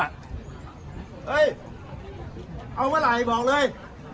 เฮ้ยเอาเมื่อไหร่บอกเลย